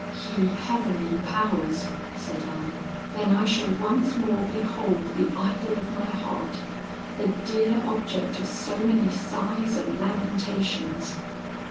'Ye heavenly powers!' said I, 'then I shall once more behold the idol of my heart the dear object of so many sighs and lamentations!